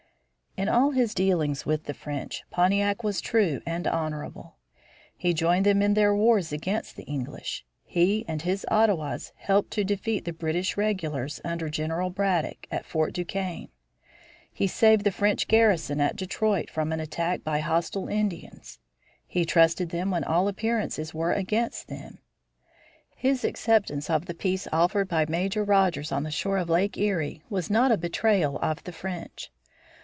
In all his dealings with the French, Pontiac was true and honorable. He joined them in their wars against the English. He and his Ottawas helped to defeat the British regulars under General Braddock at Fort Duquesne. He saved the French garrison at Detroit from an attack by hostile Indians. He trusted them when all appearances were against them. His acceptance of the peace offered by Major Rogers on the shore of Lake Erie was not a betrayal of the French.